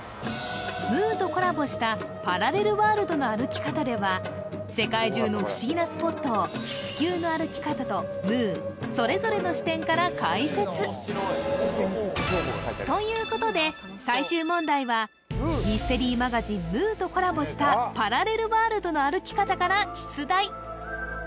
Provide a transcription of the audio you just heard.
「ムー」とコラボした「パラレルワールドの歩き方」では世界中の不思議なスポットを「地球の歩き方」と「ムー」それぞれの視点から解説ということで最終問題はミステリーマガジン「ムー」とコラボした「パラレルワールドの歩き方」から出題